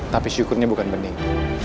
tapi syukurnya bukan bening